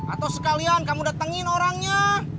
atau sekalian kamu datengin orangnya